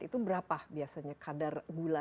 itu berapa biasanya